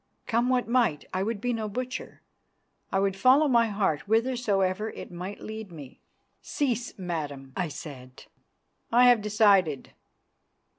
Come what might, I would be no butcher; I would follow my heart whithersoever it might lead me. "Cease, Madam," I said. "I have decided.